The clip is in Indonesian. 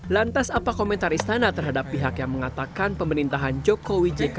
lantas apa komentar istana terhadap pihak yang mengatakan pemerintahan jokowi jk